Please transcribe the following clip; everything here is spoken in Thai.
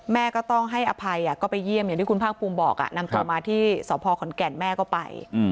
แม่ก็ต้องให้อภัยก็ไปเยี่ยมอย่างที่คุณภาคภูมิบอกนำตัวมาที่สพขอนแก่นแม่ก็ไป